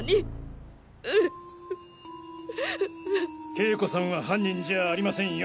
景子さんは犯人じゃありませんよ。